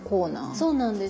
そうなんです。